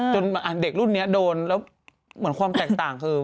เด็กรุ่นนี้โดนแล้วเหมือนความแตกต่างคือ